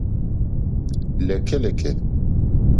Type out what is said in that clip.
Lɛ̀kɛ́lɛ̀kɛ̀.